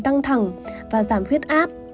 căng thẳng và giảm huyết áp